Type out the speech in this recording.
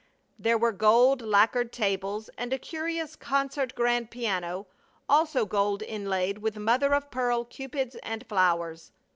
There were gold lacquered tables and a curious concert grand piano, also gold inlaid with mother of pearl cupids and flowers.